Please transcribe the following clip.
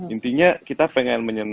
intinya kita pengen